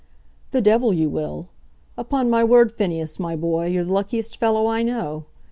"The devil you will. Upon my word, Phineas, my boy, you're the luckiest fellow I know.